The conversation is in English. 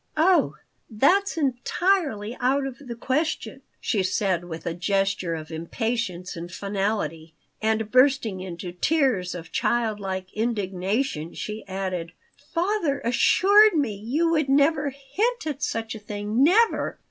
"Oh, that's entirely out of the question," she said, with a gesture of impatience and finality. And, bursting into tears of child like indignation, she added: "Father assured me you would never hint at such a thing never.